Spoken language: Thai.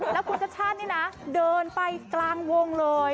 แล้วคุณชาติชาตินี่นะเดินไปกลางวงเลย